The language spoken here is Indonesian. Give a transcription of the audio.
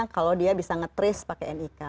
kalau dia bisa nge trace pakai nik